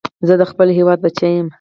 زه د خپل هېواد بچی یم